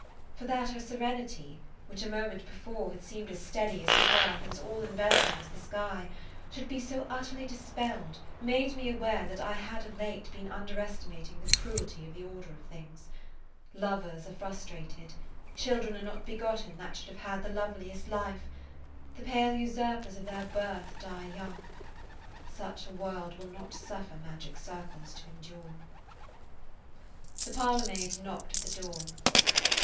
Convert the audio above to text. For that her serenity, which a moment before had seemed as steady as the earth and as all enveloping as the sky, should be so utterly dispelled made me aware that I had of late been underestimating the cruelty of the order of things. Lovers are frustrated; children are not begotten that should have had [Page 158] the loveliest life; the pale usurpers of their birth die young. Such a world will not suffer magic circles to endure. The parlor maid knocked at the door.